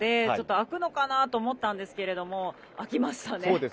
開くのかなと思ったんですが開きましたね。